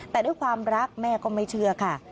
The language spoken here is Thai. แต่ด้วยความรักแม่ก็ไม่เชื่อค่ะ